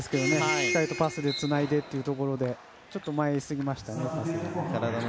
しっかりとパスをつないでというところでちょっと迷いすぎましたねパスがね。